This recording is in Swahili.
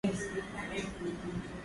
Wengu iliyofura nyeusi na rahisi kukatika